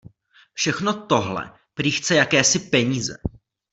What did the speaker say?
Všechno tohle prý chce jakési peníze.